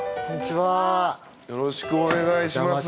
よろしくお願いします。